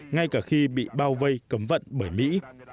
ngay cả khi bị bao vây cấm vận bởi mỹ